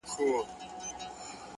هره هڅه پټ اغېز زېږوي.!